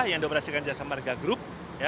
yang dioperasikan jasa marga group